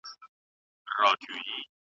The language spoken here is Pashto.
که علمي اصول مراعات سي نو اټکل به سم وي.